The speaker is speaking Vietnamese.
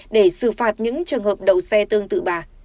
để xử phạt những trường hợp đậu xe tương tự bà